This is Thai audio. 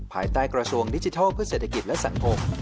ภายใต้กระทรวงดิจิทัลเพื่อเศรษฐกิจและสังคม